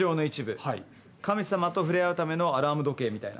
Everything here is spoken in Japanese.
神様と触れ合うためのアラーム時計みたいな。